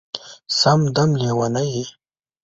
سم دم لېونی یې